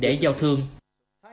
điều đầu tiên chúng tôi đang thúc đẩy